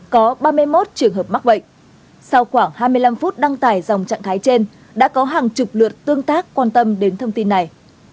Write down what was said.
có ba mươi một trường hợp mắc bệnh sau khoảng hai mươi năm phút đăng tải dòng trạng thái trên đã có hàng chục lượt tương tác quan tâm đến thông tin này